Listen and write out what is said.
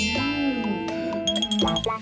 และนำไป